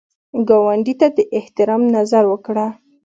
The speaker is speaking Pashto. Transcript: ګاونډي ته د احترام نظر وکړه